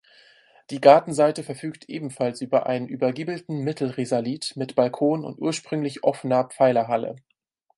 Die Gartenseite verfügt ebenfalls über einen übergiebelten Mittelrisalit mit Balkon auf ursprünglich offener Pfeilerhalle.